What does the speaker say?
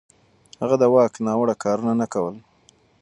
هغه د واک ناوړه کارونه نه کول.